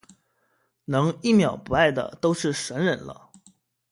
能一秒不爱的都是神人了